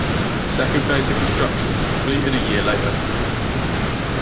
The second phase of construction was completed a year later.